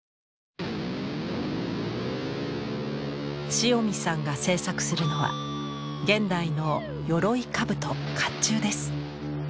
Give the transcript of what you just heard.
塩見さんが制作するのは現代の鎧兜甲冑です。